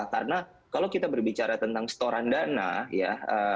karena kalau kita berbicara tentang setoran dana ya